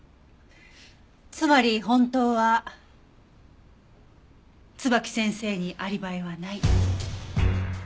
つまり本当は椿木先生にアリバイはない。